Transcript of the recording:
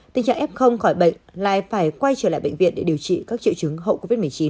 tình trạng f khỏi bệnh lại phải quay trở lại bệnh viện để điều trị các triệu chứng hậu covid một mươi chín